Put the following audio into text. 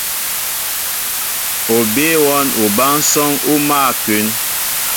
O bíy wɔ́n obánsɔ́ŋ ó mál a kún.